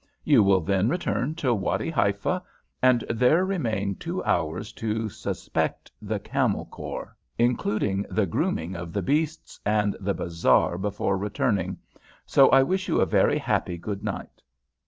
"You will then return to Wady Haifa, and there remain two hours to suspect (sp.) the Camel Corps, including the grooming of the beasts, and the bazaar before returning, so I wish you a very happy good night."